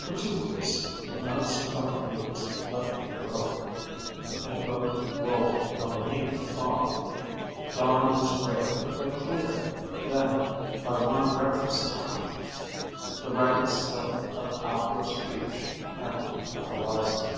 For two weeks, nights without dreams left them early, and the boat rolled from beneath the fog. Dawn was gray, but clear; then, by one breakfast time the ragged slip of Aptor's beach hemmed the horizon.